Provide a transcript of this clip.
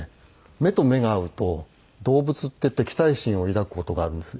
目と目が合うと動物って敵対心を抱く事があるんです